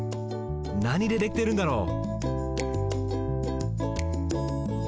なにでできてるんだろう？